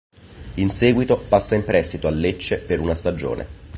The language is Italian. In seguito passa in prestito al Lecce per una stagione.